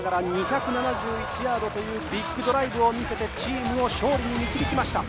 ２７１ヤードというビッグドライブを見せてチームを勝利に導きました。